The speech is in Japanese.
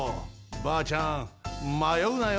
ばあちゃんまようなよ。